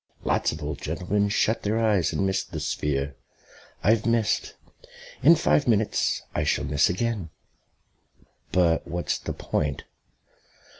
Lots of old gentlemen shut their eyes and miss the sphere. I've missed. In five minutes I shall miss again." "But what's the point?"